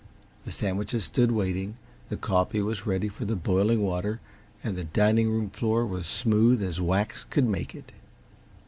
The sandwiches stood waiting, the coffee was ready for the boiling water, and the dining room floor was smooth as wax could make it.